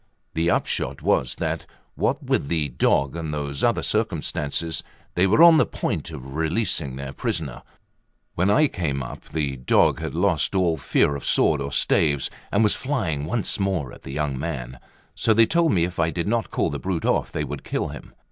The upshot was that, what with the dog and with those other circumstances, they were on the point of releasing their prisoner. When I came up, the dog had lost all fear of sword or staves, and was flying once more at the young man; so they told me if I did not call the brute off they would kill him.